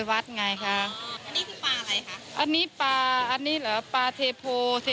เขาบอกแม่น้ำมูลเป็นแม่น้ำมูลเป็นแม่น้ำที่ไหลค่อนข้างเชี่ยวเพราะฉะนั้นปลาเนื้อมันจะแน่นตัวจะใย